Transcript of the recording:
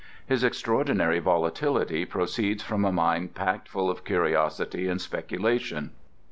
His extraordinary volatility proceeds from a mind packed full of curiosity and speculation.